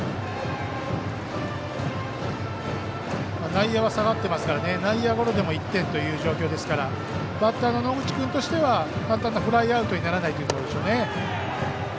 内野は下がってますから内野ゴロでも１点という状況ですからバッターの野口君としては簡単なフライアウトにならないということでしょうね。